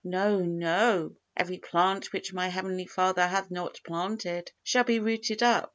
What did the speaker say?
No, no! Every plant which my Heavenly Father hath not planted shall be rooted up.